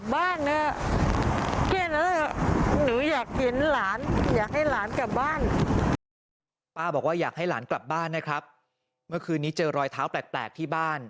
ป้าบอกว่าอยากให้หลานกลับบ้านนะครับเมื่อคืนนี้เจอรอยเท้าแปลกที่บ้าน